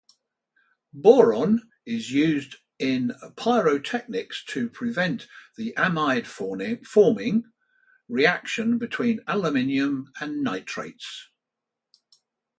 Boron is used in pyrotechnics to prevent the amide-forming reaction between aluminum and nitrates.